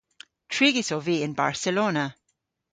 Trigys ov vy yn Barcelona.